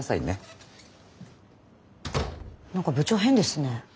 何か部長変ですね。